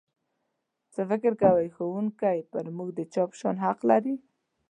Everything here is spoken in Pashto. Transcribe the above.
څه فکر کوئ ښوونکی په موږ د چا په شان حق لري؟